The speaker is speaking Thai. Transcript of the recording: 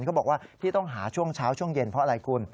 เขาบอกว่าที่ต้องหาช่วงเช้าช่วงเย็นเพราะอะไรคุณ